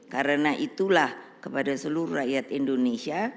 karena itulah kepada seluruh rakyat indonesia